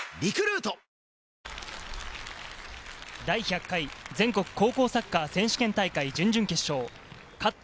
第１００回全国高校サッカー選手権大会準々決勝。